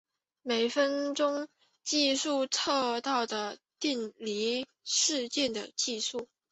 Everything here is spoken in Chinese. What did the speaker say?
每分钟计数测到的电离事件的计数。